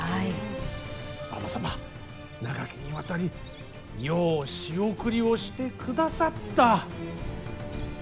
ばば様、長きにわたりよう仕送りをしてくださった。